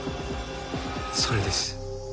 それです。